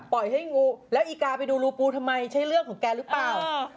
ปล่อยให้งูแล้วอีกาไปดูรูปูทำไมใช้เรื่องของแกหรือเปล่า